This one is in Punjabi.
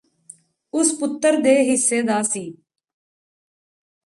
ਉਸ ਪੁੱਤਰ ਦੇ ਹਿੱਸੇ ਦਾ ਸੀ